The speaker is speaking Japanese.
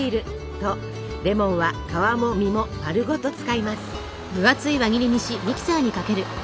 とレモンは皮も実もまるごと使います。